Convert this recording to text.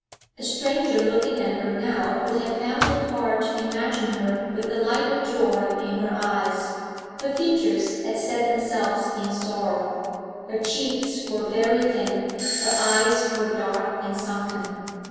A stranger looking at her now would have found it hard to imagine her with the light of joy in her eyes; her features had set themselves in sorrow. Her cheeks were very thin; her eyes were dark and sunken.